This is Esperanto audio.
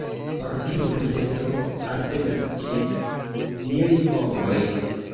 Por tiu festo alvenas ĝis mil homoj.